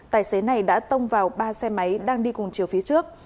tài xế này đã tông vào ba xe máy đang đi cùng chiều phía trước